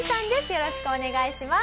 よろしくお願いします。